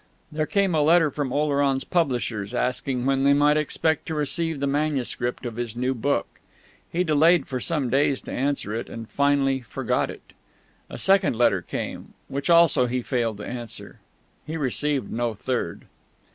There came a letter from Oleron's publishers, asking when they might expect to receive the manuscript of his new book; he delayed for some days to answer it, and finally forgot it. A second letter came, which also he failed to answer. He received no third.